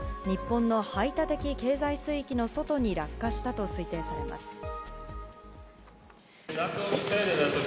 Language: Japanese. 日本の排他的経済水域の外に落下したと推定されます。